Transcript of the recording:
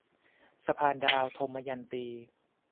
สะพานดาว - ทมยันตี